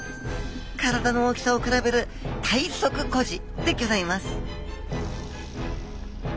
体の大きさを比べる体側誇示でギョざいます